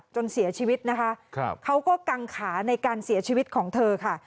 จนเสียชีวิตนะคะเขาก็กังขาในการเสียชีวิตของเธอค่ะ